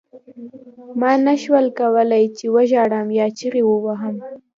ما نشول کولای چې وژاړم یا چیغې ووهم